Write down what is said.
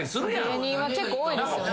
芸人は結構多いですよね。